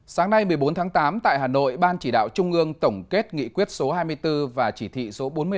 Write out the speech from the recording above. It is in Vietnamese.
sáng nay một mươi bốn tháng tám tại hà nội ban chỉ đạo trung ương tổng kết nghị quyết số hai mươi bốn và chỉ thị số bốn mươi năm